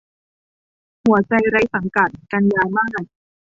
หัวใจไร้สังกัด - กันยามาส